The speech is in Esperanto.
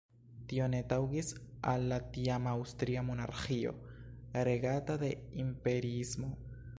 Tio ne taŭgis al la tiama Aŭstria monarĥio, regata de imperiismo.